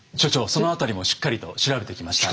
その辺りもしっかりと調べてきました。